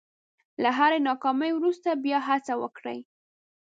له هرې ناکامۍ وروسته بیا هڅه وکړئ.